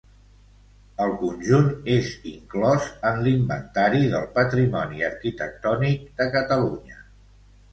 El conjunt és inclòs en l'Inventari del Patrimoni Arquitectònic de Catalunya.